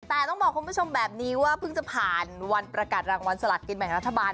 แต่ต้องบอกคุณผู้ชมแบบนี้ว่าเพิ่งจะผ่านวันประกาศรางวัลสลักกินแบ่งรัฐบาล